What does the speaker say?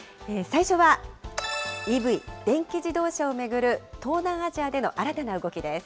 最初は、ＥＶ・電気自動車を巡る東南アジアでの新たな動きです。